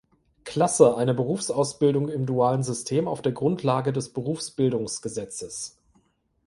Klasse eine Berufsausbildung im dualen System auf der Grundlage des Berufsbildungsgesetzes.